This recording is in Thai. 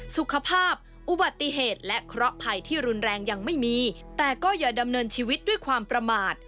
สุขภาพอุบัติเหตุและเคราะห์ภัยที่รุนแรงยังไม่มีแต่ก็อย่าดำเนินชีวิตด้วยความประมาท